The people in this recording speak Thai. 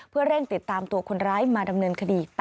เพื่อเร่งติดตามตัวคนร้ายมาดำเนินคดี